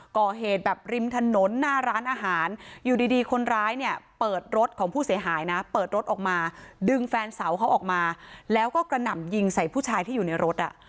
ก่อเหตุแบบริมถนนหน้าร้านอาหารอยู่ดีคนร้ายเนี่ยเปิดรถของผู้เสียหายนะเปิดรถออกมาดึงแฟนสาวเขาออกมาแล้วก็กระหน่ำยิงใส่ผู้ชายที่อยู่ในรถอ่ะ